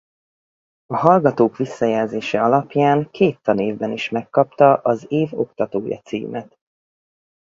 A hallgatók visszajelzése alapján két tanévben is megkapta az Év oktatója címet.